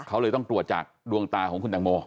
เขาเลยต้องตรวจจากดวงตาของคุณตังโม